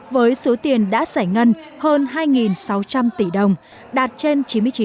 với số tiền đã giải ngân hơn hai sáu trăm linh tỷ đồng đạt trên chín mươi chín